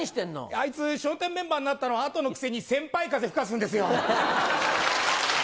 あいつ、笑点メンバーになったのあとのくせに先輩風吹かすんですよ。